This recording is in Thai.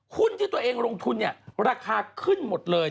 หุ้นที่ตัวเองลงทุนเนี่ยราคาขึ้นหมดเลย